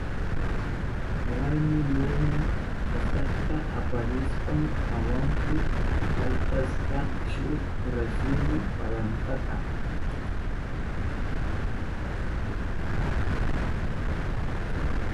Warmi lumu tasata aparishpan awanpi paltashka shuk rasimu palantata.